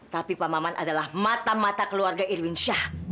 tapi pak maman adalah mata mata keluarga irwin syah